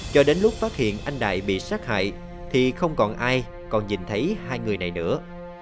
cho đến lúc phát hiện anh đại bị sát hại thì không còn ai còn nhìn thấy hai người này nữa